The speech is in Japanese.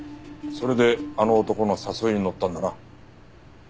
それであの男の誘いにのったんだな。